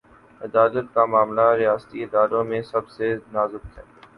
عدالت کامعاملہ، ریاستی اداروں میں سب سے نازک ہے۔